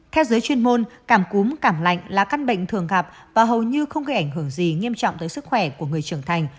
theo giới chuyên môn cảm cúm cảm lạnh là căn bệnh thường gặp và hầu như không gây ảnh hưởng gì nghiêm trọng tới sức khỏe của người trưởng thành